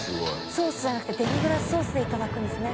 ソースじゃなくてデミグラスソースでいただくんですね。